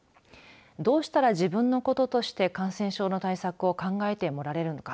どうしたら自分のこととして感染症の対策を考えてもらえるのか。